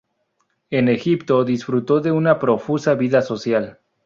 En Egipto disfrutó de una profusa vida social.